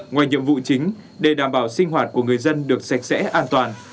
ngoài nhiệm vụ chính để đảm bảo sinh hoạt của người dân được sạch sẽ an toàn